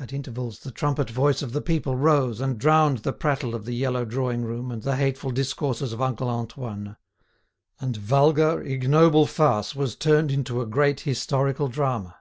At intervals the trumpet voice of the people rose and drowned the prattle of the yellow drawing room and the hateful discourses of uncle Antoine. And vulgar, ignoble farce was turned into a great historical drama.